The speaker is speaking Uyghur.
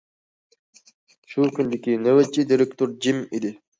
شۇ كۈنىدىكى نۆۋەتچى دىرېكتور جىم ئىدى.